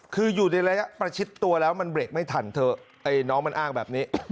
คืออยู่ในระยะประชิดตัวแล้วมันเบรกไม่ทันเถอะไอ้น้องมันอ้างแบบนี้